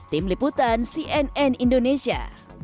tim liputan cnn indonesia